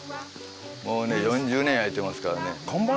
もうね４０年焼いてますからね。